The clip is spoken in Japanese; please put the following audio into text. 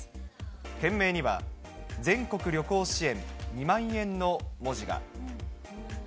件名には全国旅行支援２万円の文字が。